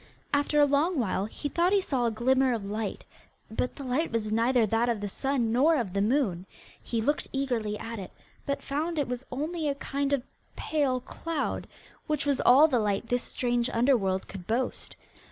After a long while he thought he saw a glimmer of light, but the light was neither that of the sun nor of the moon. He looked eagerly at it, but found it was only a kind of pale cloud, which was all the light this strange underworld could boast.